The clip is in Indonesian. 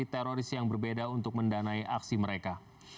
teroris yang berbeda untuk mendanai aksi mereka